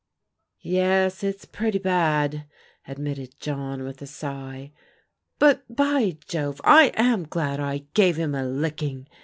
"Yes, it's pretty bad/* admitted John with a sigh. But, by Jove, I am glad I gave him a licking!